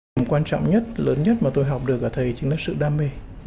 điểm quan trọng nhất lớn nhất mà tôi học được ở thầy chính là sự đam mê